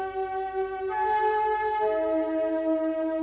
selamat jalan hamidah